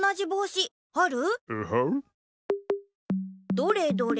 どれどれ。